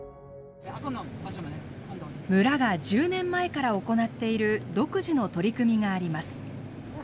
村が１０年前から行っている独自の取り組みがあります。